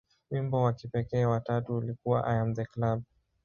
Wimbo wa kipekee wa tatu ulikuwa "I Am The Club".